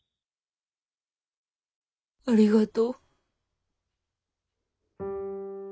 ありがと。